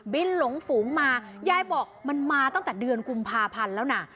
หลงฝูงมายายบอกมันมาตั้งแต่เดือนกุมภาพันธ์แล้วนะ